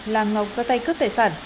là ngọc ra tay cướp tài sản